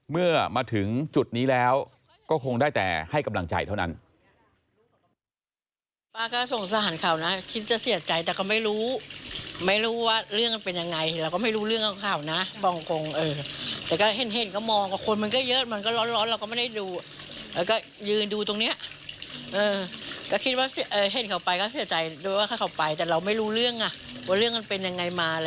เมื่อมาถึงจุดนี้แล้วก็คงได้แต่ให้กำลังใจเท่านั้น